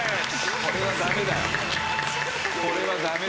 これは駄目だよ。